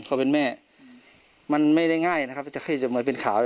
คอมเมนต์แม่มันไม่ได้ง่ายนะครับจะแค่จะเหมือนเป็นขาว